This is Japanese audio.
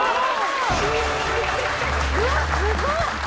うわっすごっ！